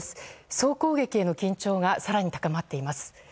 総攻撃への緊張が更に高まっています。